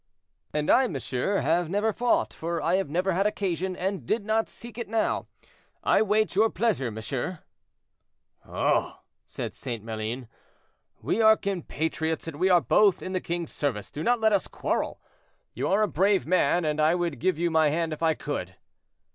"And I, monsieur, have never fought, for I have never had occasion, and I did not seek it now. I wait your pleasure, monsieur." "Oh!" said St. Maline, "we are compatriots, and we are both in the king's service; do not let us quarrel. You are a brave man, and I would give you my hand if I could.